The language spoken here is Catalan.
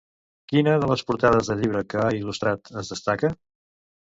Quina de les portades de llibre que ha il·lustrat es destaca?